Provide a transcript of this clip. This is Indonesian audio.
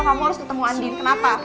kamu tuh ngerti christ